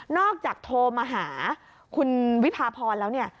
นอกจากโทรมาหาคุณวิทย์พาพรแล้ว